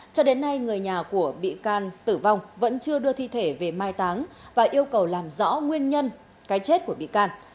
cho đến nay người nhà của bị can tử vong vẫn chưa đưa thi thể về mai táng và yêu cầu làm rõ nguyên nhân cái chết của bị can